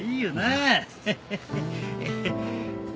あ？